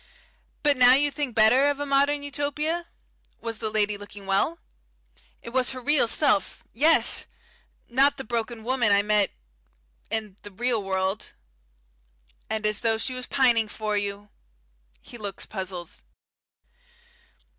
But now you think better of a modern Utopia? Was the lady looking well?" "It was her real self. Yes. Not the broken woman I met in the real world." "And as though she was pining for you." He looks puzzled.